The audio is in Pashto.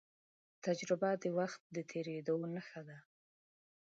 تجربه د وخت د تېرېدو نښه ده.